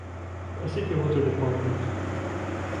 A City Water Dept.